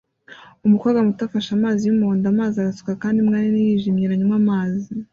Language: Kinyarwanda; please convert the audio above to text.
Umukobwa muto afashe amazi yumuhondo amazi arasuka kandi imbwa nini yijimye iranywa amazi